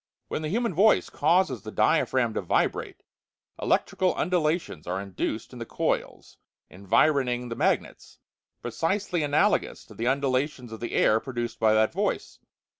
When the human voice causes the diaphragm to vibrate, electrical undulations are induced in the coils environing the magnets, precisely analogous to the undulations of the air produced by that voice.